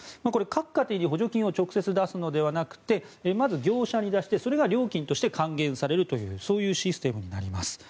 各家庭に補助金を直接出すのではなくてまず業者に出して、それが料金として還元されるというそういうシステムになります。